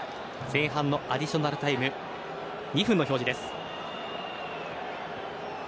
前半のアディショナルタイムは２分の表示です。